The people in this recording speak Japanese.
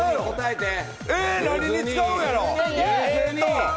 何に使うんやろ？